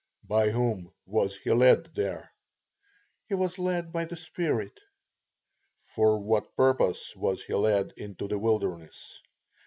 T. By whom was he led there? P. He was led by the Spirit. T. For what purpose was he led into the wilderness?